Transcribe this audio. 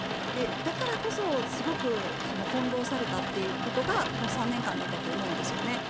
だからこそすごく翻弄されたということがこの３年間だったと思うんです。